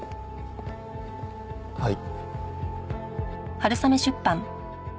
はい。